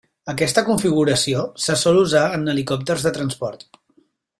Aquesta configuració se sol usar en helicòpters de transport.